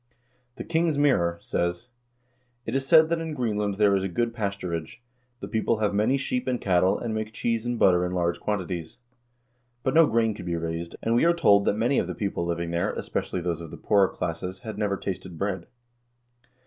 " The King's Mirror " says :" It is said that in Green land there is good pasturage. The people have many sheep and cattle, and make cheese and butter in large quantities." But no grain could be raised, and we are told that many of the people living there, especially those of the poorer class, had never tasted bread.